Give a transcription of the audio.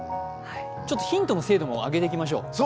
ヒントの精度も上げていきましょう。